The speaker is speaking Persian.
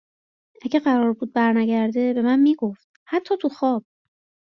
اگه قرار بود برنگرده به من میگفت حتی تو خواب